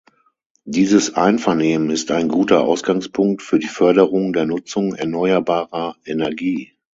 Dieses Einvernehmen ist ein guter Ausgangspunkt für die Förderung der Nutzung erneuerbarer Energie.